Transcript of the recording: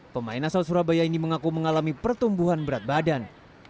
pemain asal surabaya ini mengaku mengalami pertumbuhan berat badan